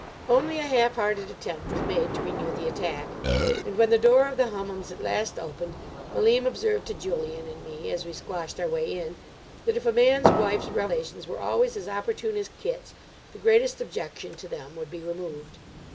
Only a half hearted attempt was made to renew the attack. And when the door of the Hummums at last opened, Malim observed to Julian and me, as we squashed our way in, that if a man's wife's relations were always as opportune as Kit's, the greatest objection to them would be removed.